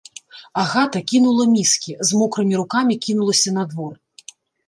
Агата кінула міскі, з мокрымі рукамі кінулася на двор.